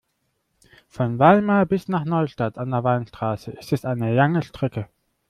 Von Weimar bis nach Neustadt an der Weinstraße ist es eine lange Strecke